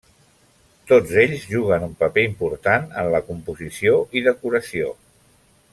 Tots ells juguen un paper important en la composició i decoració.